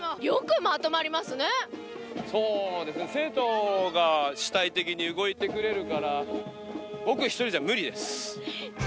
そうですね、生徒が主体的に動いてくれるから、僕一人じゃ無理です。